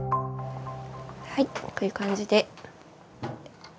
はいこういう感じで。